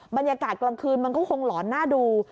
บรรยากาศกลางคืนมันก็คงหลอนหน้าดู